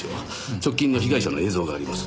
直近の被害者の映像があります。